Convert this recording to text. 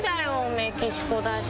メキシコだし。